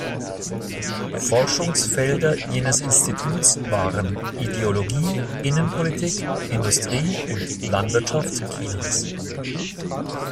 Forschungsfelder jenes Instituts waren Ideologie, Innenpolitik, Industrie und Landwirtschaft Chinas.